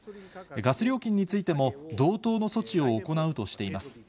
ガス料金についても、同等の措置を行うとしています。